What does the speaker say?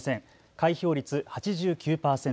開票率８９％。